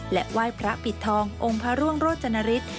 ไหว้พระปิดทององค์พระร่วงโรจนฤทธิ์